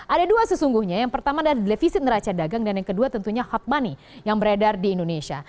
ada dua sesungguhnya yang pertama adalah defisit neraca dagang dan yang kedua tentunya hot money yang beredar di indonesia